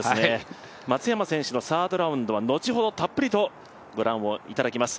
松山選手のサードラウンドは後ほどたっぷりとご覧いただきます。